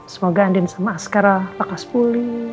semoga andin sama askara bakal sepulih